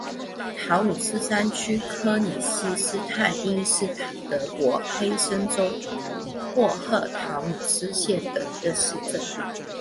陶努斯山区柯尼希施泰因是德国黑森州霍赫陶努斯县的一个市镇。